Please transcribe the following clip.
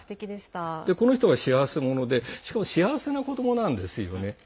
この人が幸せ者でしかも幸せな子どもなんですよね。